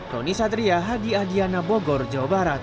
roni satria hadi adiana bogor jawa barat